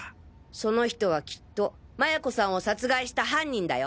その人はきっと麻也子さんを殺害した犯人だよ！